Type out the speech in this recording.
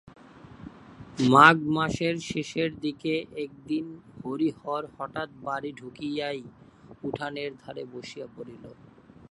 মাঘ মাসের শেষের দিকে একদিন হরিহর হঠাৎ বাড়ি ঢুকিয়াই উঠানের ধারে বসিয়া পড়িল।